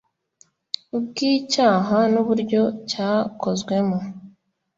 bw icyaha n uburyo cyakozwemo